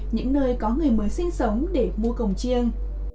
những nơi có người mới sinh sống để mua cồng chiêng